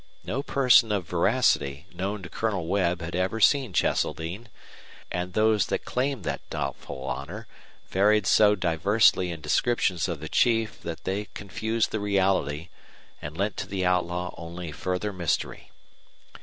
No person of veracity known to Colonel Webb had ever seen Cheseldine, and those who claimed that doubtful honor varied so diversely in descriptions of the chief that they confused the reality and lent to the outlaw only further mystery.